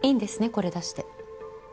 これ出して。